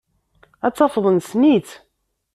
Ad tafeḍ nessen-itt.